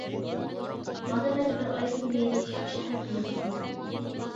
مانا مەن بىر ئايدىن بېرى شۇ شەھەردە يۈرۈپتىمەن.